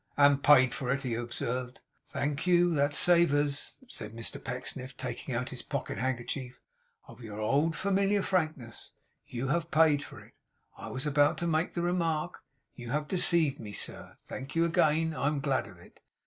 'And paid for it,' he observed. 'Thank you. That savours,' said Mr Pecksniff, taking out his pocket handkerchief, 'of your old familiar frankness. You have paid for it. I was about to make the remark. You have deceived me, sir. Thank you again. I am glad of it.